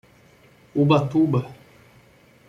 Ubatuba